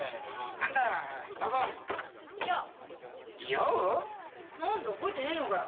何だ覚えてねえのかよ。